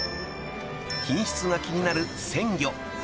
［品質が気になる鮮魚］